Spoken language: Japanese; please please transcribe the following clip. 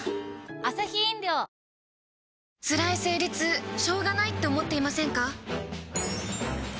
つらい生理痛しょうがないって思っていませんか？